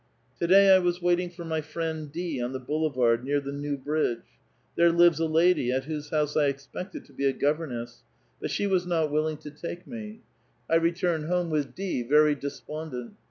"To day I was waiting for my friend D. on the Boulevard, near the new bridge. There lives a lady, at whose house I expected to be a governess ; but she was not willing to take A VITAL QUESTION. 235 me. I returned home with D. very despondent.